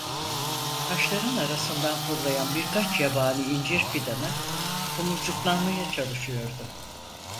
Taşların arasından fırlayan birkaç yabani incir fidanı tomurcuklanmaya çalışıyordu.